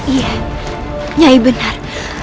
iya nyai benar